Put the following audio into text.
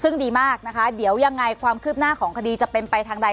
ซึ่งดีมากนะคะเดี๋ยวยังไงความคืบหน้าของคดีจะเป็นไปทางใด